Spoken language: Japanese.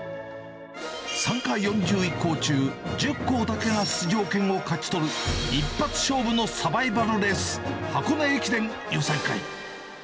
参加４１校中、１０校だけが出場権を勝ち取る一発勝負のサバイバルレース、箱根駅伝予選会。